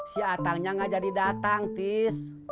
si atangnya nggak jadi datang tis